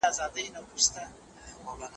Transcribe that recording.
سفارتونه د سوداګرۍ په پراختیا کي مرسته کوي.